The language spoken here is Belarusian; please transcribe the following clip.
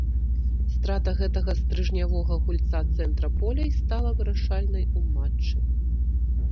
Страта гэтага стрыжнявога гульца цэнтра поля й стала вырашальнай у матчы.